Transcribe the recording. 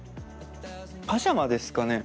パジャマですかね。